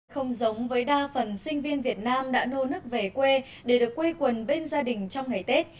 không giống với đa phần sinh viên việt nam đã nô nức về quê để được quây quần bên gia đình trong ngày tết